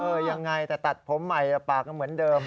ยังไงแต่ตัดผมใหม่ปากก็เหมือนเดิม